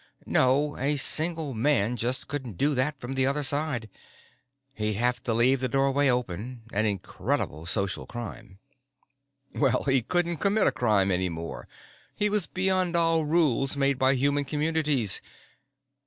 No, a single man just couldn't do that from the other side. He'd have to leave the doorway open, an incredible social crime. Well, he couldn't commit a crime any more. He was beyond all rules made by human communities.